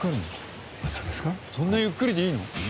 そんなゆっくりでいいの？